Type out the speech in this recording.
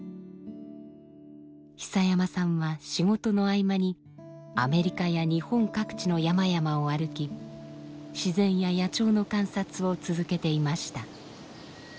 久山さんは仕事の合間にアメリカや日本各地の山々を歩き自然や野鳥の観察を続けていました。